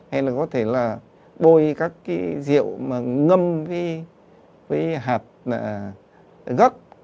hay là có thể là bôi các cái rượu mà ngâm với hạt gốc